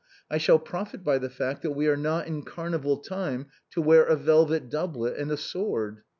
I shall profit by the fact that we are not in Car nival time to wear a velvet doublet and a sword."